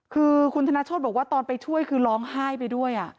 คือคุณธนโชธบอกว่าตอนไปช่วยคือร้องไห้ไปด้วย